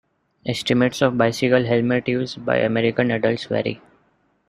Estimates of bicycle-helmet use by American adults vary.